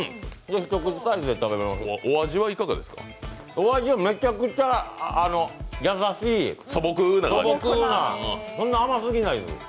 お味はめちゃくちゃ優しい、素朴なそんな甘すぎないです。